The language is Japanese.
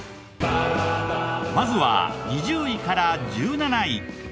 まずは２０位から１７位。